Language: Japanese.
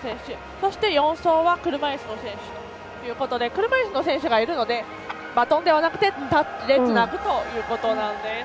そして４走は車いすの選手ということで車いすの選手がいるのでバトンではなくてタッチでつなぐということなんです。